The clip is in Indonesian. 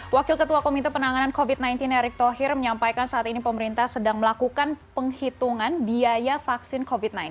wakil ketua komite penanganan covid sembilan belas erick thohir menyampaikan saat ini pemerintah sedang melakukan penghitungan biaya vaksin covid sembilan belas